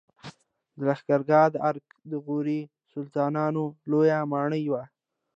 د لښکرګاه د ارک د غوري سلطانانو لوی ماڼۍ وه